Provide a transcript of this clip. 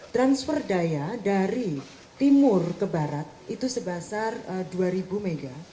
transfer daya dari timur ke barat itu sebesar dua ribu m